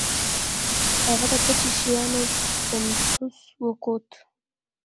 هغه د پټۍ د شيانو پتنوس وکوت.